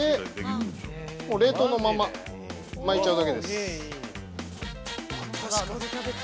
冷凍のまま、巻いちゃうだけです。